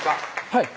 はい